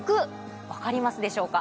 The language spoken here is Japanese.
分かりますでしょうか？